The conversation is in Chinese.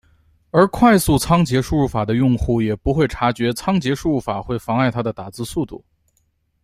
而快速仓颉输入法的用户也不会察觉仓颉输入法会妨碍他的打字速度。